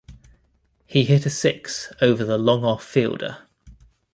He hit a six over the long off fielder.